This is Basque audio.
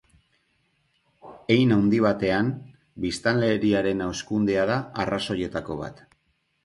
Hein handi batean, biztanleriaren hazkundea da arrazoietako bat.